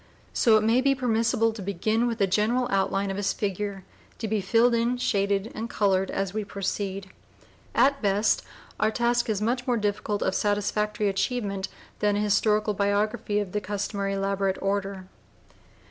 So it may be permissible to begin with a general outline of his figure, to be filled in, shaded, and colored as we proceed. At best our task is much more difficult of satisfactory achievement (p. 013) than an historical biography of the customary elaborate order.